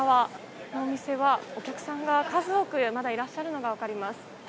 このお店は、お客さんが数多くまだいらっしゃるのが分かります。